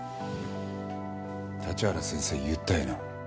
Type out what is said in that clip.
立原先生言ったよな。